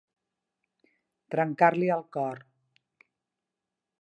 Trencar-li el cor.